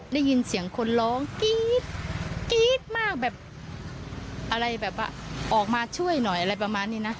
ได้ยินเสียงคนร้องกรี๊ดกรี๊ดมากแบบอะไรแบบว่าออกมาช่วยหน่อยอะไรประมาณนี้นะ